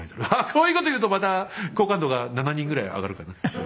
こういう事言うとまた好感度が７人ぐらい上がるかな。